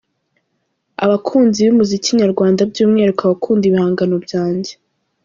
abakunzi bumuzik nyarwanda byumwihariko abakunda ibihangano byanjye.